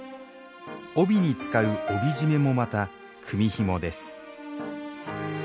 帯に使う帯締めもまた組みひもです